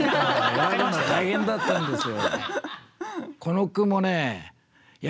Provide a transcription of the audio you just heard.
選ぶの大変だったんですよ。